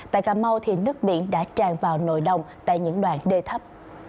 tại cà mau thì nước biển đã tràn vào nồi đông tại những đoạn đê thấp